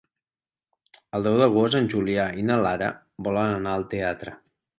El deu d'agost en Julià i na Lara volen anar al teatre.